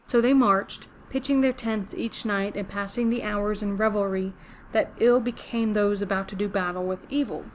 So they marched, pitching their tents each night and passing the hours in revelry that ill became those about to do battle with evil.